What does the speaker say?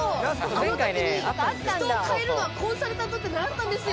あのときに人を変えるのはコンサルタントって習ったんですよ。